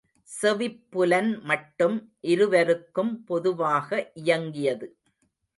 செவிப்புலன் மட்டும் இருவருக்கும் பொதுவாக இயங்கியது.